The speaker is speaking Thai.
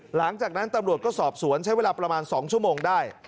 หลังจากนั้นตำรวจก็สอบสวนใช้เวลาประมาณ๒ชั่วโมงได้